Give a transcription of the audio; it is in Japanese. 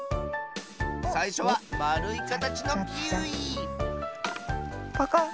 さいしょはまるいかたちのキウイパカッ。